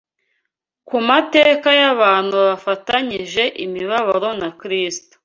Ku mateka y’abantu bafatanyije imibabaro na Kristo